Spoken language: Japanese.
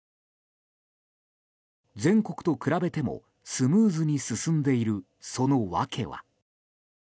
全国と比べてもスムーズに進んでいるその訳は。